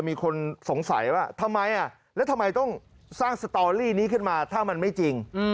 มีคนสงสัยว่าทำไมแล้วทำไมต้องสร้างสตอรี่นี้ขึ้นมาถ้ามันไม่จริง